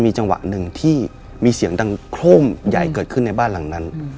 จังหวะหนึ่งที่มีเสียงดังโครมใหญ่เกิดขึ้นในบ้านหลังนั้น